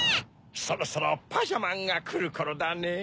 そろそろパジャマンがくるころだねぇ。